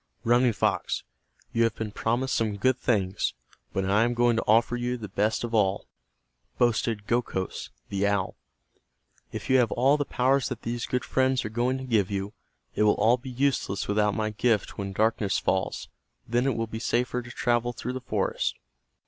"Running Fox, you have been promised some good things, but I am going to offer you the best of all," boasted Gokhos, the owl. "If you have all the powers that these good friends are going to give you, it will all be useless without my gift When darkness falls then it will be safer to travel through the forest.